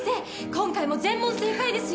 今回も全問正解ですよ。